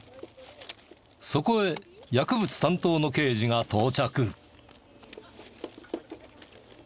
そこへ薬物担当の刑事が到着。